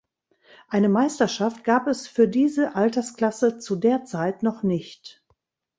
Eine Meisterschaft gab es für diese Altersklasse zu der Zeit noch nicht.